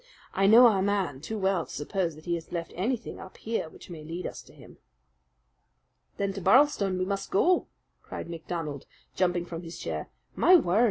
I know our man too well to suppose that he has left anything up here which may lead us to him." "Then to Birlstone we must go!" cried MacDonald, jumping from his chair. "My word!